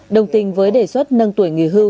đồng tình với đề xuất nâng tuổi nghỉ hưu